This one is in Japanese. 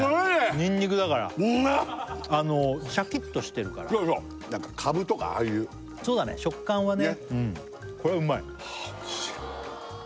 にんにくだからうまっシャキッとしてるからそうそうカブとかああいうそうだね食感はね